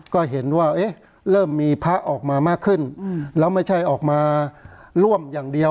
ก็เห็นว่าเอ๊ะเริ่มมีพระออกมามากขึ้นแล้วไม่ใช่ออกมาร่วมอย่างเดียว